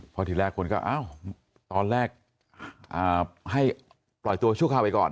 พอทีแรกคนก็อ้าวตอนแรกให้ปล่อยตัวชั่วคราวไปก่อน